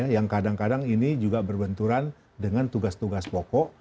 yang kadang kadang ini juga berbenturan dengan tugas tugas pokok